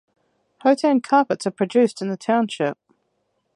Hotan Carpets are produced in the township.